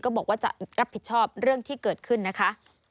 บอกว่าจะรับผิดชอบเรื่องที่เกิดขึ้นนะคะ